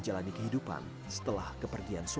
makin banyak berbagi ilmu